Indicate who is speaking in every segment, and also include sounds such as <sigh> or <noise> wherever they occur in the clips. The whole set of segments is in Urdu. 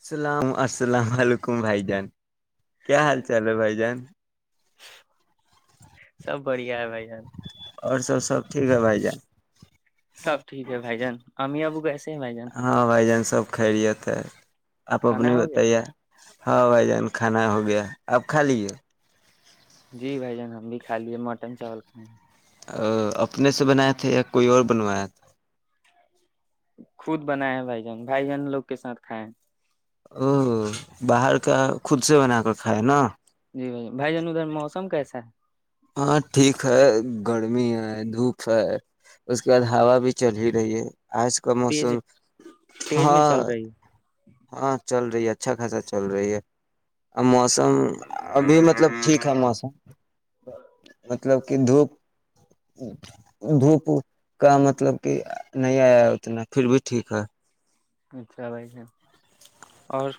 Speaker 1: السلام السلام علیکم بھائی جان کیا حال چال ہے بھائی جان
Speaker 2: سب بڑھیا ہے بھائی جان
Speaker 1: اور سب سب ٹھیک ہے بھائی جان
Speaker 2: سب ٹھیک ہے بھائی جان امی ابو کیسے ہیں بھائی جان
Speaker 1: ہاں بھائی جان سب خرییے تو <inaudible> آپ اپ
Speaker 2: کھانا
Speaker 1: نے
Speaker 2: ہو
Speaker 1: بتے
Speaker 2: گیا
Speaker 1: <unintelligible> ہاں بھائی جان کھانا ہو گیا اپب خالی ہے
Speaker 2: جی بھائی جان ہم بھی کھا لیے مٹن چاول کھائے ہیں
Speaker 1: اپنے سے بناائے تھے یا کوئی اور بنوایا تھا
Speaker 2: خود بنائے ہیں بھائی جان بھائی جان لوگ کے ساتھ کھائے ہیں
Speaker 1: او باہر خود سے بنا کر کھائے نا
Speaker 2: جی بھ بھائی جان ادھر م موسم کیسا ہے
Speaker 1: ہاں ٹھیک ہے گرمی ہے دھوپ ہے اس کے بعد ہوا بھی چل ہی رہی ہے آج کا
Speaker 2: تیز
Speaker 1: موسم ہ
Speaker 2: تیز میں چل رہی ہے
Speaker 1: ہاں چل رہی ہے اچھا خاصا چل رہی ہے ا
Speaker 2: اچھا
Speaker 1: موسم ابھی مطلب ٹھیک ہے موسم مطلب کہ دھوپ ہ <unintelligible> دھوپ کا مطلب کہ نہیں آیا اتنا پھر بھی ٹھیک ہے
Speaker 2: اچھا بھائی س اور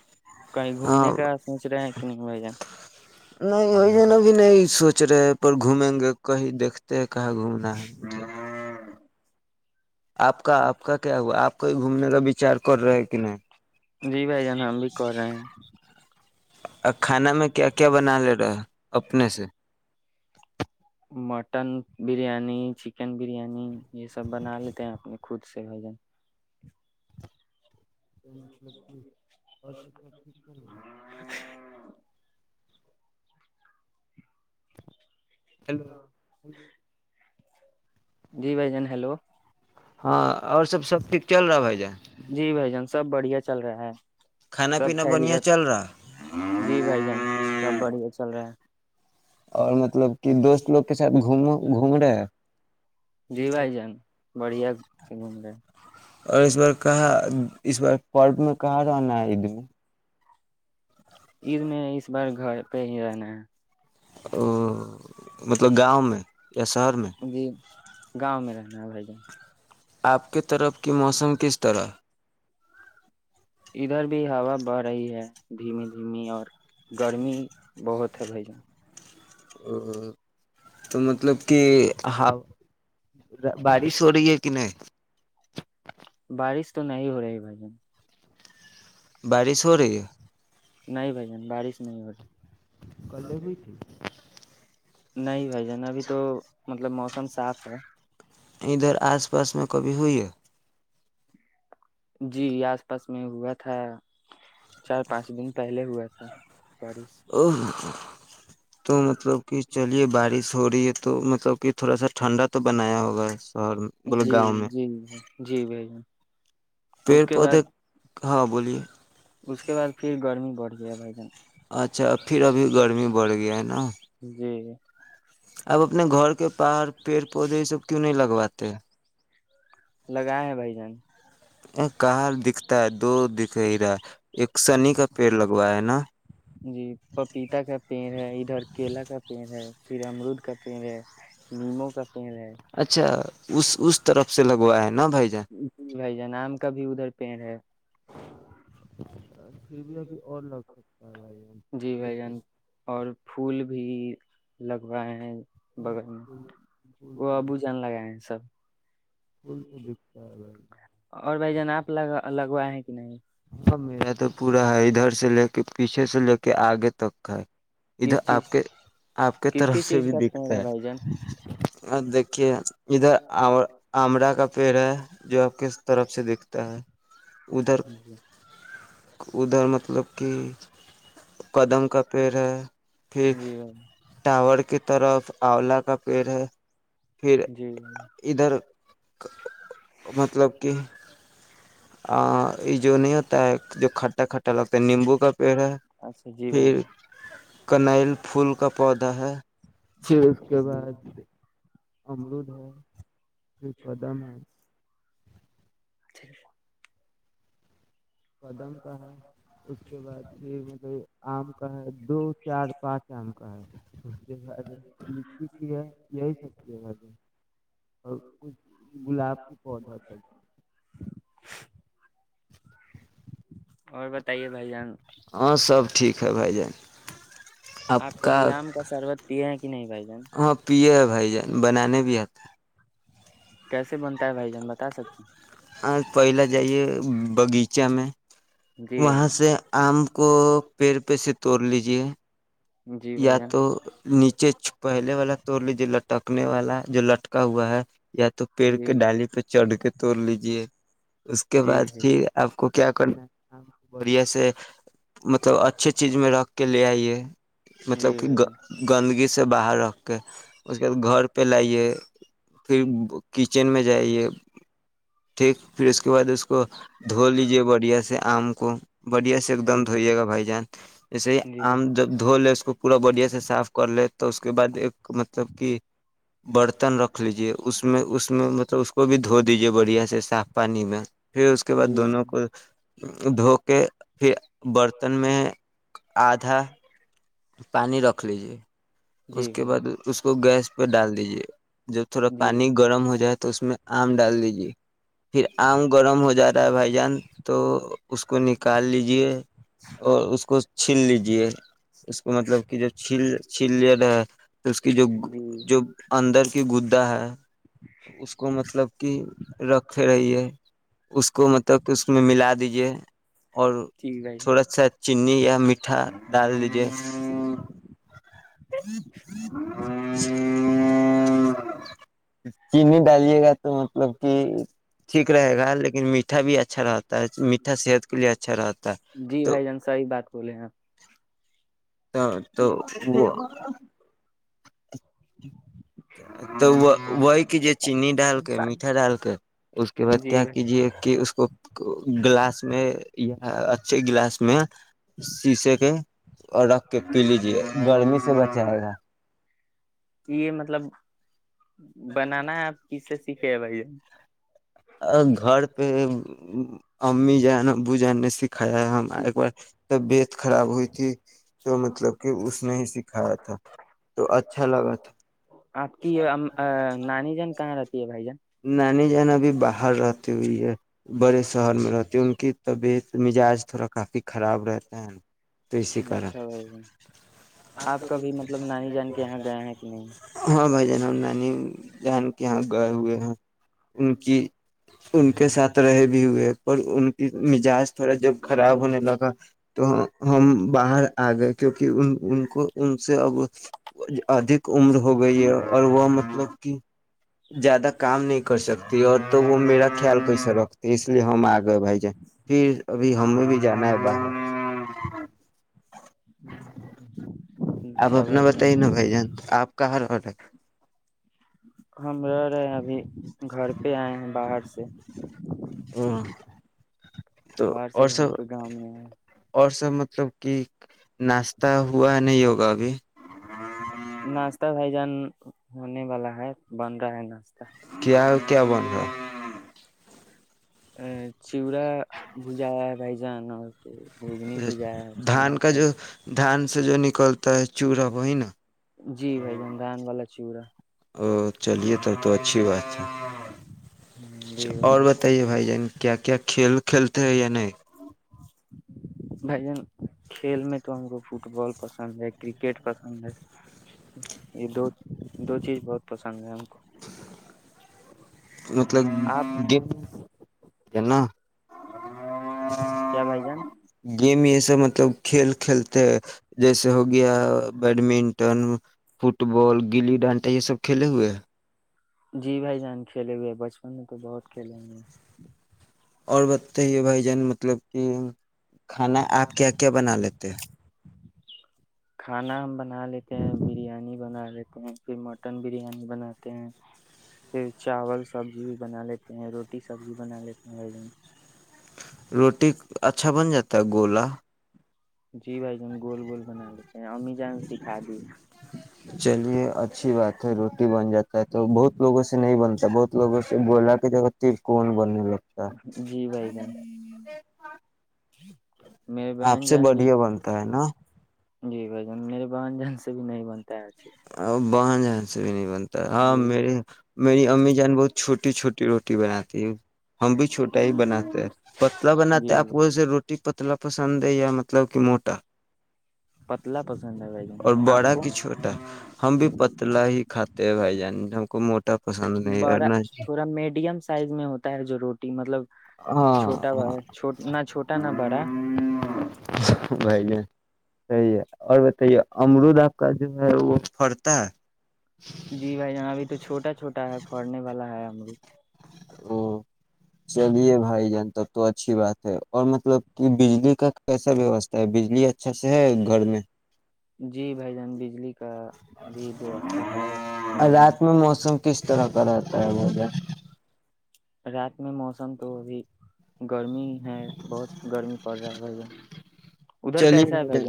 Speaker 2: کہیں
Speaker 1: ہاں
Speaker 2: گھومنے کا سوچ رہے ہے کہ نہیں بھائی جان
Speaker 1: نہیں وہی جن ابھی نہیں سوچ رہے ہیں پر گھومیں گے کہیں دیکھ تے کہاں گھومنا ہے آپ کا آپ کا کیا ہوا آپ کوئی گھومنے کا بچار کر رہے کہ نہیں
Speaker 2: جی بھائی جان ہم بھی کر رہے ہیں
Speaker 1: کھانا میں کیا کیا بنا لے رہا ہے اپنے سے
Speaker 2: مٹن بریانی چکن بریانی یہ سب بنا لیتے ہیں اپنے خود سے بھائی جن
Speaker 1: تو مطلب کہ آ ٹھیک رہ ہیں ہیلوو
Speaker 2: جی بھائی جان ہیلو
Speaker 1: ہاں اور سب سب ھ چل رہاائی جا
Speaker 2: جی بھائی جان سب بڑھیا چل رہا ہے
Speaker 1: کھانا
Speaker 2: سب
Speaker 1: پینا بڑھیا
Speaker 2: خیریت
Speaker 1: چل رہا
Speaker 2: جی بھائی جان سب بڑے چل رہا ہے
Speaker 1: اور مطلب کہ دوست لوگ کے سب گوم گھوم رہے ہیں
Speaker 2: جی بھائی جان بڑھیا سے گھوم رہے ہیں
Speaker 1: اور اس بار کہاں اس بار پرب میں کہاں جناا ہے ا د <unintelligible>
Speaker 2: عید میں اس بار گھر پہ ہی رہنا ہے ہ <unintelligible>
Speaker 1: ہ <unintelligible>
Speaker 2: جی گاؤں میریرا ہ ب جان
Speaker 1: آپ کی طرف کی موسم کس طرح
Speaker 2: ادھر بھی ہوا بڑھ رہی ہے دھیمی دھیمی اور گرمی بہت ہے بھ جن
Speaker 1: ا <unintelligible> تو مطلب کہ ہ بارش ہو رہی ہے کہ نہیں
Speaker 2: بارش تو نہیں ہو رہا ہے بھ جان
Speaker 1: بڑ سوری <unintelligible>
Speaker 2: نہیں بھ جان بارش نہیں ہو رہی
Speaker 1: کلے ہوئی ت <unintelligible>
Speaker 2: نہیں بھائی <unintelligible> مطلب موسم صاف ہے
Speaker 1: ادھر آس پاس میں کب ہوو یہ
Speaker 2: جی آس پاس میں ہوا ا تو <inaudible> چار پانچ دن پہلے ہوئے تھ اچھ <unintelligible>
Speaker 1: او تو مطلب کہ چلیے بارش ہو رہی ہے تو مطلب کہ تھوڑا سا ٹھنڈا تو بنایا ہوگا شہر میں بولے
Speaker 2: جی
Speaker 1: گاؤں میں
Speaker 2: جی جی بھائی جان
Speaker 1: پڑ
Speaker 2: اس کے بعد
Speaker 1: پودے ہاں بولیے
Speaker 2: اس کے بعد پھر گرمی بڑی ج بائی گن <unintelligible>
Speaker 1: اچھا پھر ابھی گرمی بڑھ گیا ہے نا
Speaker 2: جی جی <unintelligible>
Speaker 1: اب اپنے گھر کے پر پیڑ پودے اس سب کیوں نہیں لگواتے
Speaker 2: لگا ہے بھائی جان
Speaker 1: ا کہاں دکھتا ہے دو دکھےیرا ایک سنی کا پیڑ لگوا ہے نا
Speaker 2: جی پپیتا کا پیڑ ہے ادھر کیلا کا پیڑ ہے پھر امرود کا پیڑ ہے نیموں کا پیڑ ہے
Speaker 1: اچھا اس اس طرف سے لگوا ہے نا بھائی جان
Speaker 2: جی بھائی جانام کا بھی ادھر پینٹ ہے <unintelligible>
Speaker 1: پھر بھی ابھی اور لگ سکتا ہے بھائی
Speaker 2: جی
Speaker 1: یہ
Speaker 2: بھائی
Speaker 1: د
Speaker 2: جان اور پھول بھی لگوائے ہیں
Speaker 1: ہاں
Speaker 2: بغل میں
Speaker 1: پھول پھول
Speaker 2: وہ
Speaker 1: تو
Speaker 2: ابو جان لگائے ہیں سب
Speaker 1: پھول تو دکھتا ہے بھائی
Speaker 2: اور بھائی جان آپ لگا لگوا ہے کہ نہیں
Speaker 1: ہاں میرا تو پ پورا ہے ادھر سے لے کے پیچھے سے لے کے آگے تک ہے ادھر
Speaker 2: کس
Speaker 1: آپ
Speaker 2: چیز
Speaker 1: کے آپ کے
Speaker 2: کس
Speaker 1: طرف
Speaker 2: کس
Speaker 1: سے
Speaker 2: چیز
Speaker 1: بھی
Speaker 2: کا پیڑ
Speaker 1: دکھتا ہے
Speaker 2: بھائی جان
Speaker 1: اور دیک کہ ادھر آمڑا کا پیڑ ہے ج آاب کس طرف سے دیکھتا ہے ادھر ادھر مطلب کہ قدم کا پیڑ ہے پیک
Speaker 2: جی جی بھائی
Speaker 1: ٹاورور کی طرف آولا کا پیڑ ہے پھر
Speaker 2: جی
Speaker 1: ادھر مطلب کہ آ <unintelligible> جو نہیں ہوتا ہے جو کھٹا لتا نیمبو کا پڑا
Speaker 2: اچھا جی بھائی
Speaker 1: پھر کنل پھول کا پودا ہے پھر اس کے
Speaker 2: جی
Speaker 1: بعد امرود ہے پھر قدم ہے
Speaker 2: <inaudible> ج <unintelligible>
Speaker 1: کدم کا ہے اس کے بعد پھر مطلب آم کا ہے دو چار پانچ آم کا ہے اس کے بعد لچی کی ہے یہی سب چی اور کچھ گلاب کی پودا سب
Speaker 2: اور بتائیے بھائی جان
Speaker 1: ہاں سب ٹھیک ہے بھائی جان
Speaker 2: آپ کوب آم کا شربت پیے نہیں بائی جان
Speaker 1: ہاں پیے ہے بھائی جان بنانے بھی آتا
Speaker 2: کیسے بنتا ہے بھائی جان بتا سکتے
Speaker 1: آج پہل جائیے بغیچہ میں
Speaker 2: ہیں
Speaker 1: وہاں سے آم کو پیر پہ سے توڑ لیجیے
Speaker 2: جی
Speaker 1: یا
Speaker 2: بھائی جان جی بھائی جان
Speaker 1: تو نیچ چچ پہلے والا توڑ لی جو لٹکنے والا جو لٹکا ہوا ہے یا تو پیڑ کے
Speaker 2: جی
Speaker 1: ڈالی پہ چڑھ کے توڑ لیجیے اس کے
Speaker 2: جی
Speaker 1: بعد
Speaker 2: بھائی
Speaker 1: پھر آپ کو کیا کرنا ہے بڑھیا سے مطلب اچھے چیز میں رکھ کے لے آئیے مطلب
Speaker 2: جی
Speaker 1: کہ
Speaker 2: بھائی
Speaker 1: گ
Speaker 2: جان
Speaker 1: گندگی سے باہر رکھ اس کے بعد گھر پہ لائیے پھر کچن میں جائیے ٹھیک پھر اس کے بعد اس کو دھو لیجے بڑھیا سے آم کو <unintelligible> بڑھیا سے ایک دم
Speaker 2: جی
Speaker 1: دھوئیے گا بھائی جان جیسے ہی
Speaker 2: جی بھائی
Speaker 1: آم جب دو لے اس کو پورا بڑھیا سے صاف کر لے تو اس کے بعد ایک مطلب کہ برتن رکھ لیجیے اس میں اس میں مطلب اس کو بھی دھو دیجیے بڑھیا سے صاف پانی میں پھر اس کے بعد
Speaker 2: جی
Speaker 1: دونوں کو دھو کے پھر برتن میں آدھا پانی رکھ لیجیے اس
Speaker 2: جی
Speaker 1: کے
Speaker 2: بھائی
Speaker 1: بعد اس کو گیس پہ ڈال دیجیے جب تھوڑا
Speaker 2: جی
Speaker 1: پانی گرم ہو جائے تو اس میں آم ڈال دیجیے پھر آم گرم ہو جاتا ہے بھائی جان تو اس کو نکال لیجیے اور اس کو چھین لیجیے اس کو مطلب کہ جو چھیل چھیل لیا رہا اس کی جو
Speaker 2: جی
Speaker 1: جو اندر کی گدا ہے اس کو مطلب کہ رکھے رہی ہے اس کو مطلب کہ اس میں ملا دی یہ اور
Speaker 2: جی بھائی
Speaker 1: تھوڑا سا چنی یا میٹھا ڈال دیجے اور ھم چینی ڈالیے گا تو مطلب ہاں ٹھیک رہے گا لیکن میٹھا بھی اچھا میٹھا صحت کے لیے اچھا رہتا ہے
Speaker 2: جی
Speaker 1: تو
Speaker 2: بھائی جان صحیح بات بولے ہیں
Speaker 1: ہاں تو وہ تو وہی کیجے چیننیی ڈال کے میٹھا ڈال کے اس کے بعد
Speaker 2: جی
Speaker 1: کیا
Speaker 2: بھائی
Speaker 1: کیجیے کہ اس کو گلاس میں یا اچھے گلاس میں شیسے کے اورکھ کہ پی لیجے گرمی سے بچاائے گا
Speaker 2: یہ مطلب بنانا ہے اپ کی سی سی کہ بھائی ج
Speaker 1: ا گھر پہ اور <unintelligible> امی جان ابو جان نے سکھایا ہم ایک بار طبیعت خراب ہوئی تھی تو مطلب کہ اس نے ہی سکھایا تھا تو اچھا لگا تھا
Speaker 2: آپ کی نانی جان کہاں رہتی ہے بھائی جان
Speaker 1: ہر رہاتتے ہوئی ہے <unintelligible> بڑے سہر میں رہتے ان کی طبیعت مزاج تھوڑا کافی خراب رہتا ہےا
Speaker 2: اچھا بھائی آپ کبھی مطلب نانی جان کے یہاں گئے ہیں کہ نہیں
Speaker 1: ہاں بھائی جان ہم نانی جان کے یہاں گئے ہوئے ہیں ان کی ان کے ساتھ رہے بھی ہوئے پر ان کی مزاج تھوڑا جب خراب ہونے لگا تو ہم باہر آ گئے کیونکہ ان ان کو ان سے اب ادک عمر ہو گئی ہے اور وہ مطلب کہ زیادہ کام نہیں کر سکتی اور تو وہ میرا خیال کیسا رکھتے اس لیے ہم آ گئے بھائی جان پھر ابھی ہمیں بھی جانا ہے باہر آپ
Speaker 2: اچھا
Speaker 1: اپنا
Speaker 2: بھائی
Speaker 1: بتائیے نا بھائی جان آپ کہاں <unintelligible>
Speaker 2: ہم رہے رہے ابھی گھر پہ آئے ہیں باہر سے
Speaker 1: تو
Speaker 2: باہر سے
Speaker 1: اور
Speaker 2: گھر
Speaker 1: سب
Speaker 2: پہ گاؤں میں ہے
Speaker 1: اور مطلب کی ناشتہ ہوا نہیں ہوگا ابھی
Speaker 2: ا بھائی جان ہونے والا ہے بن رہا ہے ناشہ
Speaker 1: کیا کیا بن رہا
Speaker 2: ا چڑا بوجا بائی جان اور گھگنی بھجایا ہے
Speaker 1: دھان
Speaker 2: چنا
Speaker 1: کا جو دھان سے جو نکلتا ہے چوہا وہی نا
Speaker 2: جی بھائی جان دان والا <inaudible>
Speaker 1: اورو چلیے تب تو اچھی بات ہے
Speaker 2: جی بھائی
Speaker 1: اور
Speaker 2: جان
Speaker 1: بتائیے بھائی جان کیا کیا کھیل کھیلتے ہیں یا نہیں
Speaker 2: بھائی جان کھیل میں تو ہم کو فٹ بال پسند ہے کرکٹ پسند ہے یہ دو دو چیز بہت پسند ہے ہم کو
Speaker 1: مطلب
Speaker 2: آپ
Speaker 1: گ
Speaker 2: کیا بھائی جان
Speaker 1: <inaudible> گیم <unintelligible> مطلب کھیل کھیلتے ہیں جیسے ہو گیا بیڈمنٹن فٹ بال گلی ڈانٹا یہ سب کھیلے ہوئے
Speaker 2: جی بھائی جان کھیلے ہوئے ہیں بچپن میں تو بہت کھیلے ہو ہیں
Speaker 1: اور بتتے ہیے بھائی جان مطلب کہ کھانا آپ کیا کیا بنا لیتے ہیں
Speaker 2: کھانا ہم بنا لیتے ہیں بریانی بنا لیتے ہیں پھر مٹن بریانی بناتے ہیں پھر چاول سبزی بھی بنا لیتے ہیں روٹی سبزی بنا لیتے ہیں ب دن
Speaker 1: روٹی اچھا بن جاتا ہے گولا
Speaker 2: جی بھائی ج ہم گول گول بنا لیتے ہیں امی جان سکھا دی
Speaker 1: چلیے اچھی بات ہے روٹی ا بہت لوگ سے بولا کے ج ت کون بننے لوگ
Speaker 2: جی بھائی جن میری
Speaker 1: آپ
Speaker 2: بہن
Speaker 1: سے
Speaker 2: جان جی
Speaker 1: بڑھیا بنتا ہے نا
Speaker 2: جی بھ جن میرے بہن جان سے بھی نہیں بنتا ہے اچھے
Speaker 1: اور ب ج <inaudible> <inaudible>
Speaker 2: سے
Speaker 1: ہاں
Speaker 2: جی
Speaker 1: میرے میری امی جان بہت چھوٹی چھوٹی روٹی بناتی ہے ہم بھی چھوٹا ہی بناتے
Speaker 2: جی
Speaker 1: ہیں پتلا بناتے ہے آپ
Speaker 2: جی
Speaker 1: کو سے روٹی پتلا پسند ہے ہے مطلب کہ موٹا
Speaker 2: پتلا پسند ہے بھائی جن
Speaker 1: اور
Speaker 2: آپ
Speaker 1: بڑا
Speaker 2: کو
Speaker 1: کہ چھوٹا ہم بھی پتلا ہی کاتے ہیں بھائی جان ہم ہم کو موٹ
Speaker 2: بڑا تھوڑا میڈیم سائز میں ہوتا ہے جو روٹی مطلب
Speaker 1: ہاں
Speaker 2: چھوٹا ب
Speaker 1: ہاں
Speaker 2: نہ چھوٹا نہ بڑا
Speaker 1: بھائی ج صحی ہے اور بتائیے امرود آپ کا جو ہے وہ پڑتا ہے
Speaker 2: جی بھائی جانب ابھی تو چھوٹا چھوا ہے پھڑنے والا ہے <inaudible>
Speaker 1: او چلیے بھائی جان تب تو اچھی بات ہے اور مطلب کہ بجلی کا کیسا ویوستھا ہے بجلی اچھا سے ہے گھر میں
Speaker 2: جی جی بھائی جان بجلی کا بھی ویوستھا ہے گھر میں
Speaker 1: رات موسم کس طرح برتا مہ
Speaker 2: رات میں موسم تو بھی گرمی ہیں بہت گرمی پڑ رہا ہے بھ گ
Speaker 1: چلیے بھائی جان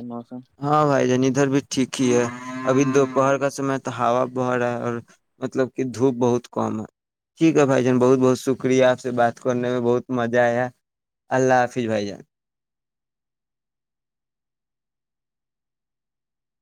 Speaker 1: ہاں بھائی جان ادھر بھی ٹھیک ہی ہے ابھی دوپہر کا سمے ہا بہ رہا ہے اور مطلب کہ دھوپ بہت کم ہے ٹھیک ہے بھائی جان بہت بہت شکریہ آپ سے بات کرنے میں بہت مزہ آیا اللہ حافظ بھائی جان